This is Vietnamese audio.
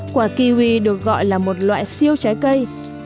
quả kiwi được gọi là một loại siêu trái cây